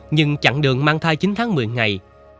nhưng chặng đường mang thai chín tháng một mươi ngày